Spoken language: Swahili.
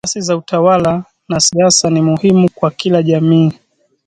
Asasi za utawala na siasa ni muhimu kwa kila jamii